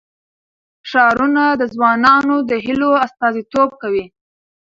ښارونه د ځوانانو د هیلو استازیتوب کوي.